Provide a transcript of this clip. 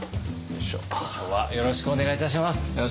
今日はよろしくお願いいたします。